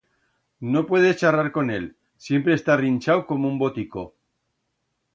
No puedes charrar con él, siempre está rinchau como un botico!